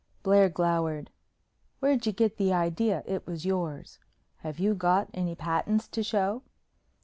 Blair glowered. "Where'd you get the idea it was yours? Have you got any patents to show?"